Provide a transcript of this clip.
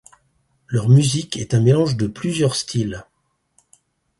Leur musique est un mélange de plusieurs styles.